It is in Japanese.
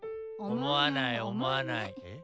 思わない思わない。